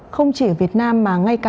không chỉ ở việt nam mà ngay cả